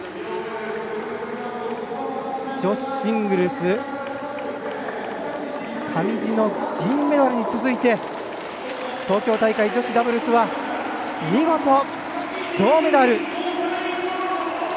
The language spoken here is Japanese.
女子シングルス上地の銀メダルに続いて東京大会、女子ダブルスは見事、銅メダル。